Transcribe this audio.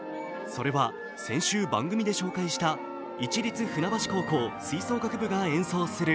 それは先週、番組で紹介した市立船橋高校吹奏楽部が演奏する